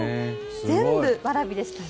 全部わらびでしたね。